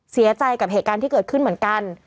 เสียใจกับเหตุการณ์ที่เกิดขึ้นเหมือนกัน